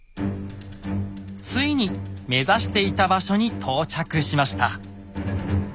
ついに目指していた場所に到着しました。